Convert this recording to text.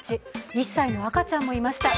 １歳の赤ちゃんもいました。